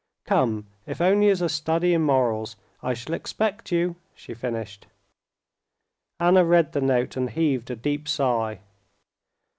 "Come, if only as a study in morals. I shall expect you," she finished. Anna read the note and heaved a deep sigh.